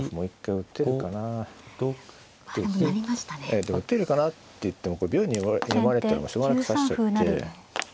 打てるかなっていっても秒に読まれたらもうしょうがなく指しちゃって。